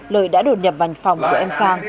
lợi đã đột nhập vành phòng của em sang